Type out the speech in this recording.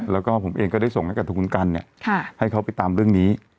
แล้วก็ผมเองก็ได้ส่งให้กับทางคุณกันให้เขาไปตามเรื่องนี้